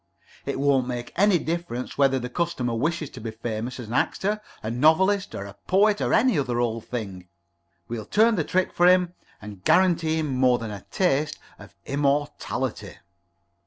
It won't make any difference whether the customer wishes to be famous as an actor, a novelist, or a poet, or any other old thing. We'll turn the trick for him, and guarantee him more than a taste of immortality."